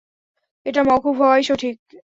এটা মওকূফ হওয়াই সঠিক।